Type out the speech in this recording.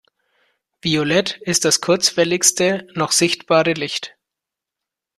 Violett ist das kurzwelligste noch sichtbare Licht.